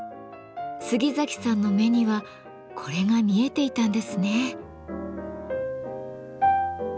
杉崎さんの目にはこれが見えていたんですね。